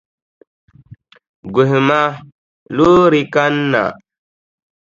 Guhima, loori kanna.